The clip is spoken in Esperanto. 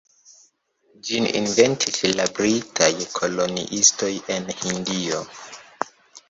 Ĝin inventis la britaj koloniistoj en Hindio.